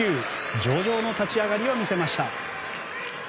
上々の立ち上がりを見せました。